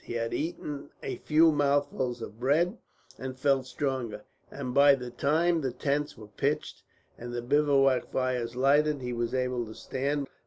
He had eaten a few mouthfuls of bread, and felt stronger; and by the time the tents were pitched, and the bivouac fires lighted, he was able to stand.